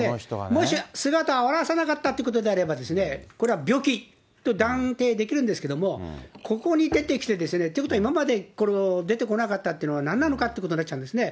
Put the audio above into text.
もし姿を現さなかったということになれば、これは病気と断言できるんですけれども、ここに出てきて、ということは、今まで出てこなかったということは、なんなのかということになっちゃうんですね。